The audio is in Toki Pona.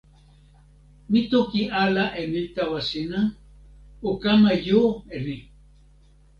mi toki ala e ni tawa sina: o kama jo e ni.